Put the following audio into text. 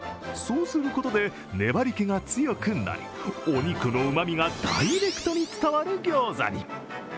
そうすることで粘り気が強くなり、お肉のうまみがダイレクトに伝わるギョーザに。